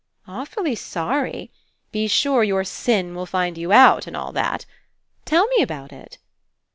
"Awfully sorry. Be sure your sin will find you out and all that. Tell me about it."